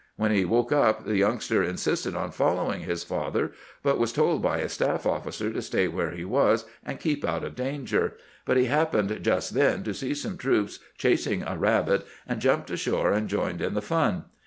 When he woke up the youngster in sisted on following his father, but was told by a staff officer to stay where he was and keep out of danger; but he happened just then to see some troops chasing a rabbit, and jumped ashore and joined in the fun.